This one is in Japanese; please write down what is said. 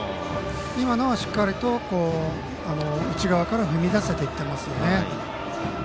今のはしっかりと内側から踏み出せていってますよね。